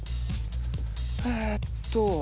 えっと。